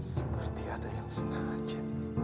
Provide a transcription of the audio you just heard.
seperti ada yang sengaja